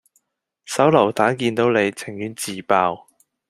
手榴彈見到你，情願自爆